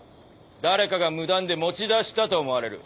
誰かが無断で持ち出したと思われる。